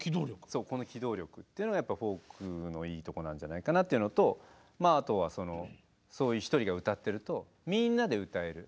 そうこの機動力というのがやっぱりフォークのいいとこなんじゃないかなというのとあとはそのそういう一人が歌ってるとみんなで歌える。